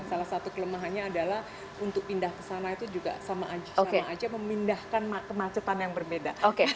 salah satu kelemahannya adalah untuk pindah ke sana itu juga sama aja memindahkan kemacetan yang berbeda